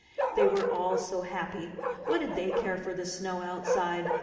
They were all so happy; what did they care for the snow outside?